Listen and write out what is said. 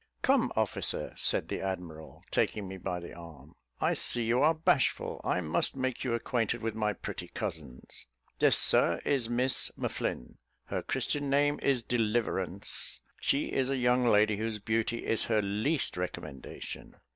"Come, officer," said the admiral, taking me by the arm, "I see you are bashful I must make you acquainted with my pretty cousins. This, Sir, is Miss M'Flinn her Christian name is Deliverance. She is a young lady whose beauty is her least recommendation."